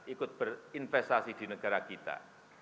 ikut berinvestasi di negara kita